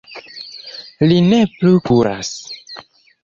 Li ne plu kuras.